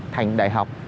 thành đại học